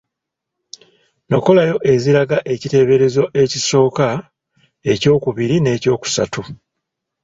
Nokolayo eziraga ekiteeberezo ekisooka, ekyokubiri n’ekyokusatu.